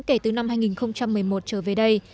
kể từ năm hai nghìn một mươi một trở về đây